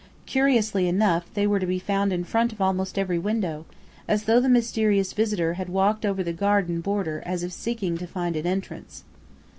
Curiously enough, they were to be found in front of almost every window, as though the mysterious visitor had walked over the garden border as if seeking to find an entrance.